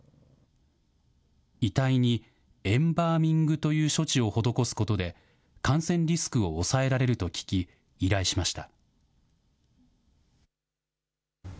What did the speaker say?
遺体にエンバーミングという処置を施すことで、感染リスクを抑えられると聞き、依頼しました。